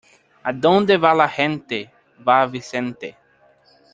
Adonde va la gente, va Vicente.